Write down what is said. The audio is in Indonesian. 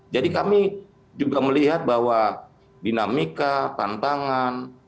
jadi kami juga melihat bahwa dinamika tantangan